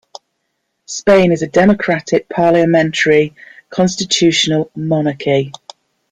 Spain is a democratic parliamentary constitutional monarchy.